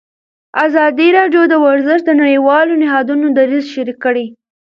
ازادي راډیو د ورزش د نړیوالو نهادونو دریځ شریک کړی.